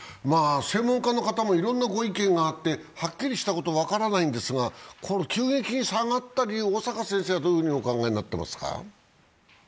専門家の方もいろんなご意見があってはっきりしたことは分からないんですが、急激に下がっているのは小坂先生はどうお考えになっていますか？